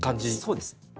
そうです。